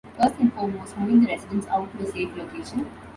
First and foremost moving the residents out to a safe location.